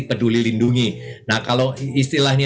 peduli lindungi nah kalau istilahnya